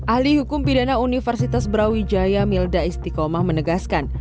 ahli hukum pidana universitas brawijaya milda istikomah menegaskan